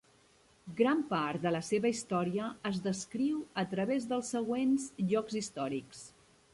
Gran part de la seva història es descriu a través dels següents llocs històrics.